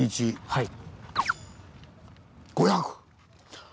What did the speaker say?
はい。